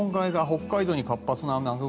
北海道に活発な雨雲。